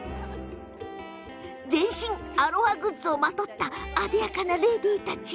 全身、アロハグッズをまとったあでやかな、レディーたち。